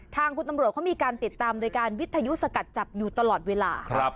ทางกรุณฑมศ์มีการติดตามโดยการวิทยุสะกัดจับอยู่ตลอดเวลา